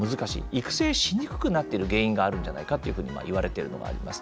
育成しにくくなってる原因があるんじゃないかというふうに言われてるのがあります。